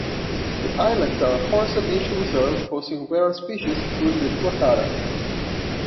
The islands are a forested nature reserve hosting rare species including the tuatara.